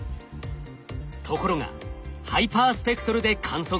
ところがハイパースペクトルで観測すると。